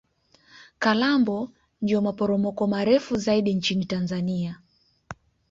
Kalambo ndio maporomoko marefu zaidi nchini tanzania